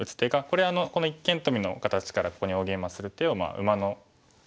これこの一間トビの形からここに大ゲイマする手を馬の顔ですかね。